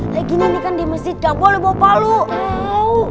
lagi ini kan di masjid gak boleh bawa balu